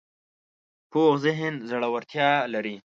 پوخ ذهن زړورتیا لري